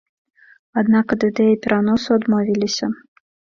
Аднак ад ідэі пераносу адмовіліся.